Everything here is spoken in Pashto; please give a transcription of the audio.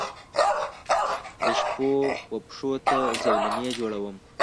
دشپووپښوته زولنې جوړوم